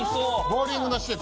ボウリングの施設。